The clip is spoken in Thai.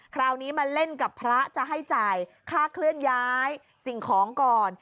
คราวนี้มาเล่นกับพระจะให้จ่ายค่าเคลื่อนย้ายสิ่งของก่อน